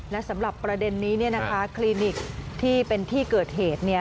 และสำหรับประเด็นนี้คลินิกที่เป็นที่เกิดเหตุ